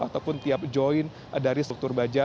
ataupun tiap join dari struktur baja